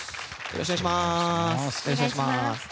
よろしくお願いします。